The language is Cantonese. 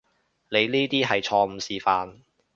你呢啲係錯誤示範